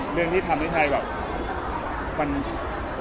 เรื่องที่ทำให้ชัยแบบ